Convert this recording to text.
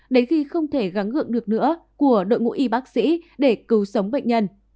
đến khi không thể gắng gượng được nữa của đội ngũ y bác sĩ để cứu sống bệnh nhân